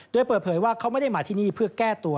โดยเปิดเผยว่าเขาไม่ได้มาที่นี่เพื่อแก้ตัว